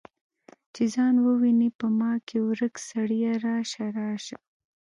چې ځان وویني په ما کې ورک سړیه راشه، راشه